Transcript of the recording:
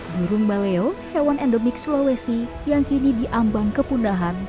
burung maleo hewan endomik sulawesi yang kini diambang kepundahan